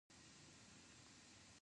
دا د ټولنیز بې شرفۍ نښه ده.